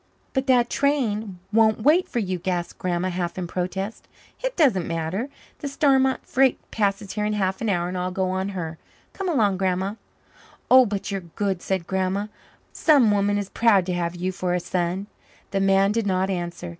"But that train won't wait for you," gasped Grandma, half in protest. "It doesn't matter. The Starmont freight passes here in half an hour and I'll go on her. Come along, Grandma." "Oh, but you're good," said Grandma. "Some woman is proud to have you for a son." The man did not answer.